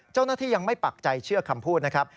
เจ้าหน้าที่ยังไม่ปักใจเชื่อคำพูดนะครับ